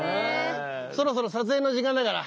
そろそろ撮影の時間だから。